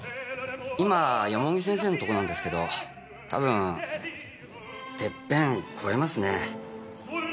今蓬城先生のとこなんですけどたぶんテッペン越えますね。